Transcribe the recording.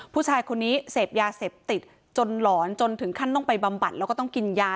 ผู้ชายคนนี้เสพยาเสพติดจนหลอนจนถึงขั้นต้องไปบำบัดแล้วก็ต้องกินยา